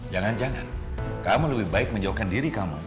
jangan jangan kamu lebih baik menjauhkan diri kamu